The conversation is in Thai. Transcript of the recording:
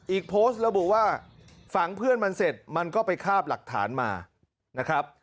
อีกโพสต์ระบุว่าฝังเพื่อนมันเสร็จมันก็ไปคาบหลักฐานมานะครับ